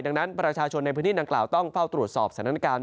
ดังนั้นประชาชนในพื้นที่ดังกล่าวต้องเฝ้าตรวจสอบสถานการณ์